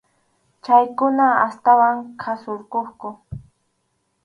Chaykuna astawan qhasurquqku.